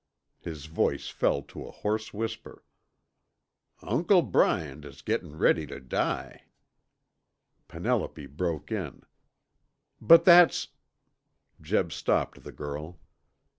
His voice fell to a hoarse whisper. "Uncle Bryant is gettin' ready tuh die." Penelope broke in. "But that's " Jeb stopped the girl.